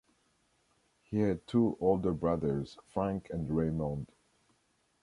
He had two older brothers, Frank and Raymond.